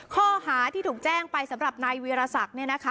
ข้อหาที่ถูกแจ้งไปสำหรับนายวีรศักดิ์